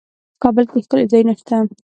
کابل کې ښکلي ځايونه شتون لري.